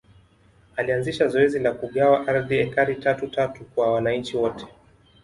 Alanzisha zoezi la kugawa ardhi ekari tatu tatu kwa wananchi wote